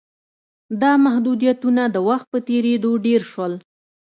دا محدودیتونه د وخت په تېرېدو ډېر شول.